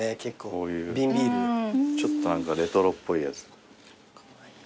ちょっと何かレトロっぽいやつ。